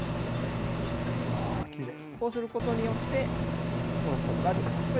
こうすることでおろすことができました。